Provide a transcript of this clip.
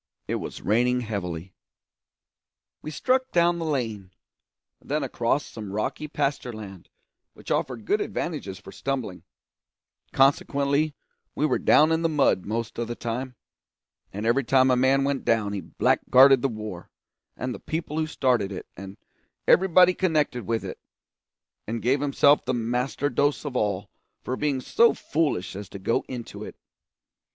It was raining heavily. We struck down the lane, then across some rocky pasture land which offered good advantages for stumbling; consequently we were down in the mud most of the time, and every time a man went down he blackguarded the war, and the people who started it, and everybody connected with it, and gave himself the master dose of all for being so foolish as to go into it.